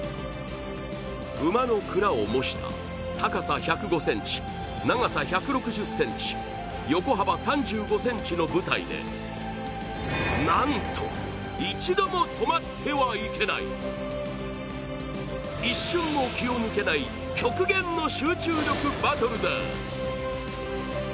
馬のくらを模した高さ１０５ｃｍ長さ１６０ｃｍ、横幅３５ｃｍの舞台でなんと、一度も止まってはいけない一瞬も気を抜けない極限の集中力バトルだ。